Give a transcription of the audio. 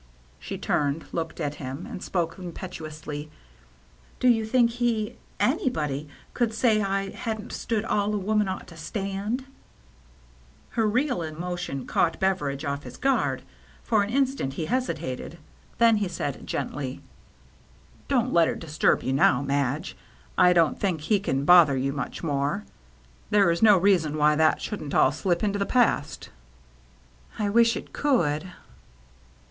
She turned, looked at him, and spoke impetuously :" Do you think I haven't been fair to him ? Do you think he — anybody — could say I hadn't stood all a woman ought to stand ?" Her real emotion caught Beveridge off his guard. For an instant he hesitated; then he said gently :" Don't let it disturb you now, Madge. I don't think he can bother you much more. There is no reason why that shouldn't all slip into the past." " I wish it could."